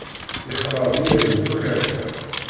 Yexleḍ yired d ukerfa.